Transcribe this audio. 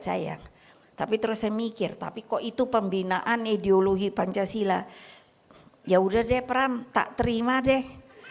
sayang tapi terus saya mikir tapi kok itu pembinaan ideologi pancasila ya udah deh pram tak terima deh